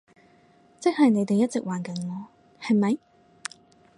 即係你哋一直玩緊我，係咪？